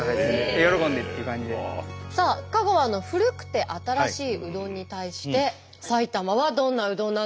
さあ香川の古くて新しいうどんに対して埼玉はどんなうどんなんでしょうか？